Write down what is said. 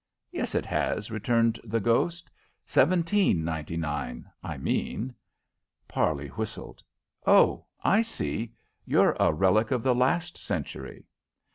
"Yes, it has," returned the ghost. "Seventeen ninety nine, I mean." Parley whistled. "Oh, I see! You're a relic of the last century!"